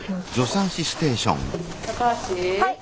はい！